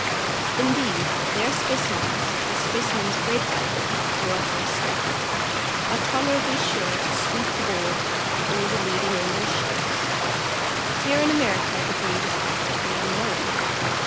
Indeed, their specimens, or specimens bred by them, or of their stock, are tolerably sure to '' sweep the board '' at all the leading English shows. Here in America the breed is practically unknown.